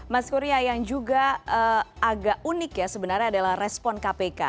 maksudnya yang juga agak unik sebenarnya adalah respon kpk